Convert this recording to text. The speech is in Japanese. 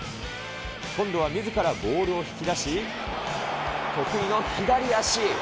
今度はみずからボールを引き出し、得意の左足。